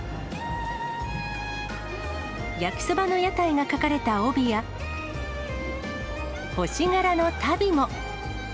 焼きそばの屋台が描かれた帯や、星柄のたびも。